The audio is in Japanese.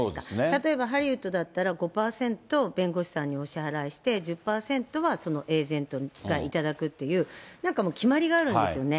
例えばハリウッドだったら５％弁護士さんにお支払いして、１０％はそのエージェントが頂くっていう、なんかもう、決まりがあるんですよね。